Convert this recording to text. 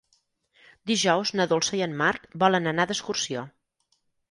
Dijous na Dolça i en Marc volen anar d'excursió.